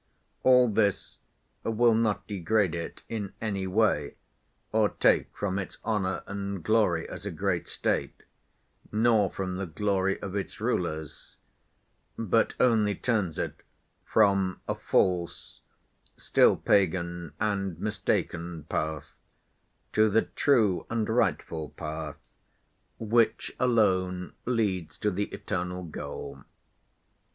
All this will not degrade it in any way or take from its honor and glory as a great State, nor from the glory of its rulers, but only turns it from a false, still pagan, and mistaken path to the true and rightful path, which alone leads to the eternal goal.